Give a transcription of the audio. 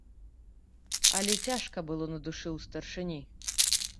Але цяжка было на душы ў старшыні.